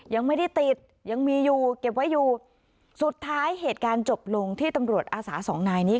ยังไม่ได้ติดยังมีอยู่เก็บไว้อยู่สุดท้ายเหตุการณ์จบลงที่ตำรวจอาสาสองนายนี้